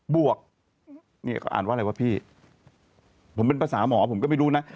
บวกเนี่ยเขาอ่านว่าอะไรวะพี่ผมเป็นภาษาหมอผมก็ไม่รู้นะ